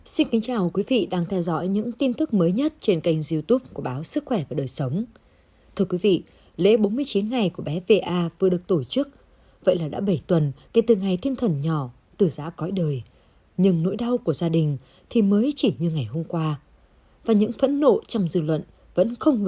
chào mừng quý vị đến với bộ phim hãy nhớ like share và đăng ký kênh của chúng mình nhé